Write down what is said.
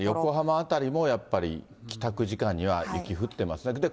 横浜辺りもやっぱり帰宅時間には雪降ってますね。